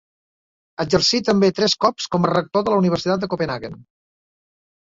Exercí també tres cops com a rector de la Universitat de Copenhaguen.